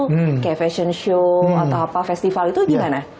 kayak fashion show atau apa festival itu gimana